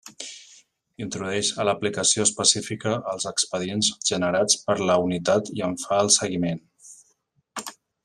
Introdueix a l'aplicació específica els expedients generats per la unitat i en fa el seguiment.